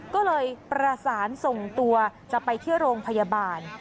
ก็เลยประสานส่งตัวจะไปที่โรงพยาบาล